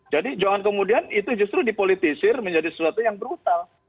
jadi jangan kemudian itu justru dipolitisir menjadi sesuatu yang brutal